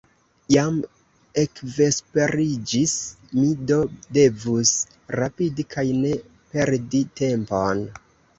Jam ekvesperiĝis, mi do devus rapidi kaj ne perdi tempon.